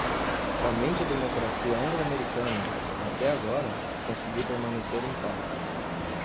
Somente a democracia anglo-americana, até agora, conseguiu permanecer em paz.